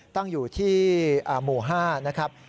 ตั้งอยู่ที่หมู่๕นะครับ